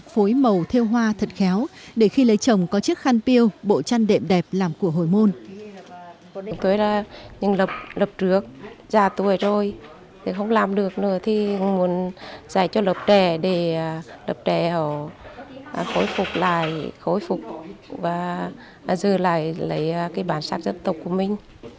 phối màu theo hoa thật khéo để khi lấy chồng có chiếc khăn piêu bộ trăn đệm đẹp làm của hồi môn